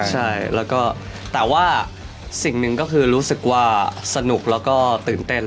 ใช่แล้วก็แต่ว่าสิ่งหนึ่งก็คือรู้สึกว่าสนุกแล้วก็ตื่นเต้น